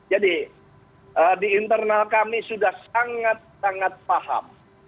jadi di internal kami sudah sangat sangat paham